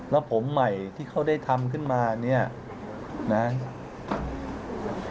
แล้วผมใหม่ที่เขาได้ทำขึ้นมาเนี่ยนะ